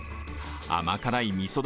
甘辛いみそ